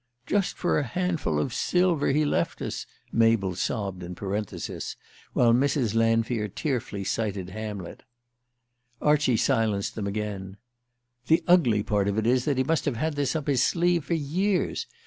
"Just for a handful of silver he left us," Mabel sobbed in parenthesis, while Mrs. Lanfear tearfully cited Hamlet. Archie silenced them again. "The ugly part of it is that he must have had this up his sleeve for years.